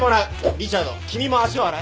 リチャード君も足を洗え。